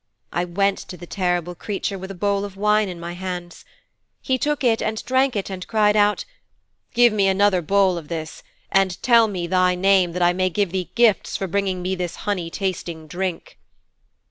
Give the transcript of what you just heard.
I went to the terrible creature with a bowl of wine in my hands. He took it and drank it and cried out, "Give me another bowl of this, and tell me thy name that I may give thee gifts for bringing me this honey tasting drink."'